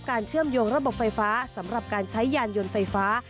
เชื่อมโยงระบบไฟฟ้าสำหรับการใช้ยานยนต์ไฟฟ้า